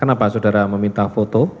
kenapa saudara meminta foto